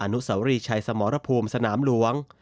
นุสวรีชัยสมรภูมิสนามหลวง